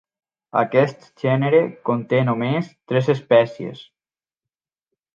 Aquest gènere conté només tres espècies.